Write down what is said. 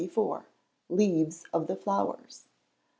Leaves of the Flowers.